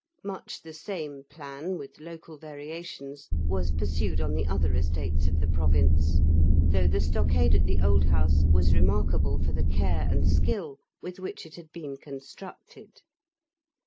Much the same plan, with local variations, was pursued on the other estates of the province, though the stockade at the Old House was remarkable for the care and skill with which it had been constructed.